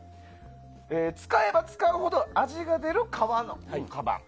使えば使うほど味が出る革のカバン。